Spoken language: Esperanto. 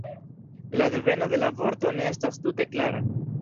La deveno de la vorto ne estas tute klara.